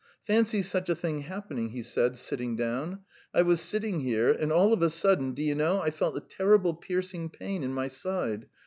"Fancy such a thing happening," he said, sitting down. "I was sitting here, and all of a sudden, do you know, I felt a terrible piercing pain in my side